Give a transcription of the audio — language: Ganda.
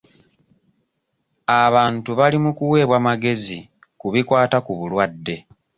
Abantu bali mu kuweebwa magezi ku bikwata ku bulwadde.